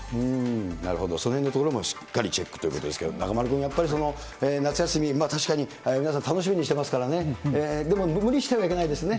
なるほど、そのへんのところもしっかりチェックということですけれども、中丸君、やっぱり夏休み、確かに皆さん楽しみにしてますからね。ですね。